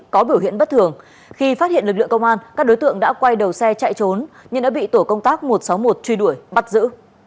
có biểu hiện bất thường khi phát hiện lực lượng công an các đối tượng đã quay đầu xe chạy trốn nhưng đã bị tổ công tác một trăm sáu mươi một truy đuổi bắt giữ